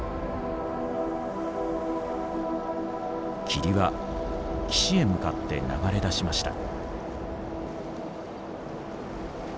霧は岸へ向かって流れ出しました。